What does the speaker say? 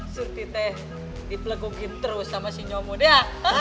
surti teh dipelegukin terus sama si nyomut ya